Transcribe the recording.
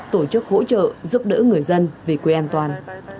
tổ chức hỗ trợ giúp đỡ người dân về quê an toàn